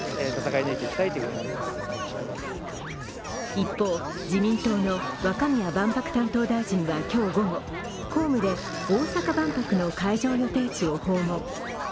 一方、自民党の若宮万博担当大臣は今日午後公務で大阪万博の会場予定地を訪問。